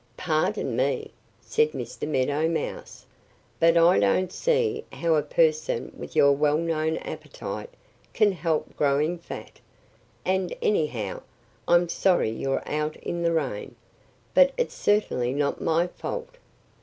"Pardon me," said Mr. Meadow Mouse, "but I don't see how a person with your well known appetite can help growing fat. And anyhow I'm sorry you're out in the rain. But it's certainly not my fault."